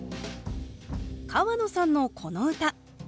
川野さんのこの歌。